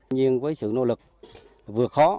nhưng với sự nỗ lực vừa khó